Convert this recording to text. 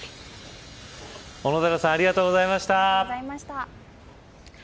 小野寺さんありがとうございました。